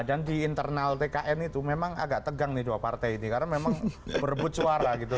dan di internal tkn itu memang agak tegang nih dua partai ini karena memang berebut suara gitu